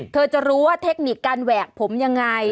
จะรู้ว่าเทคนิคการแหวกผมยังไง